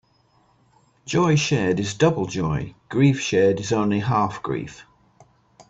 Joy shared is double joy; grief shared is only half grief.